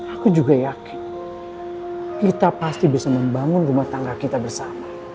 aku juga yakin kita pasti bisa membangun rumah tangga kita bersama